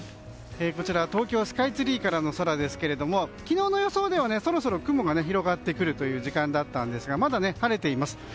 こちら、東京スカイツリーからの空ですけども昨日の予想ではそろそろ雲が広がってくるという時間だったんですがまだ晴れています。